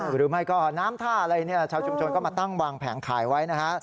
หรือไม่ก็น้ำท่าอะไรเนี่ยชาวชุมชนก็มาตั้งวางแผงขายไว้นะฮะ